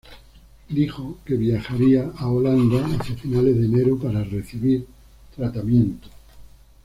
Dijo que viajaría a Holanda hacia finales de enero para recibir tratamiento.